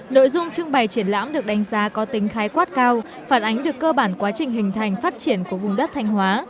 nội dung trưng bày triển lãm được đánh giá có tính khái quát cao phản ánh được cơ bản quá trình hình thành phát triển của vùng đất thanh hóa